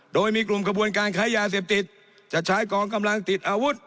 โดยมีกลุ่มกระบวนการค้ายาเสพติดจะใช้กองกำลังติดอาวุธ